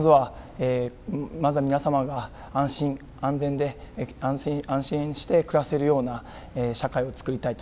まずは皆様が安心安全で安心して暮らせるような社会をつくりたい。